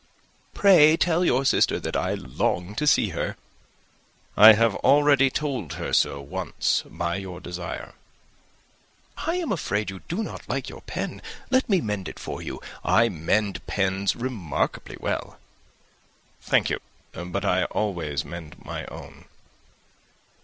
"Pray tell your sister that I long to see her." "I have already told her so once, by your desire." "I am afraid you do not like your pen. Let me mend it for you. I mend pens remarkably well." "Thank you but I always mend my own."